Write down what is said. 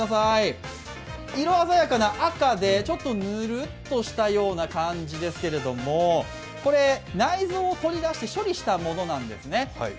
色鮮やかな赤でちょっとぬるっとしたような感じですけれども、これ、内臓を取り出して処理したものなんですね。